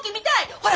ほら！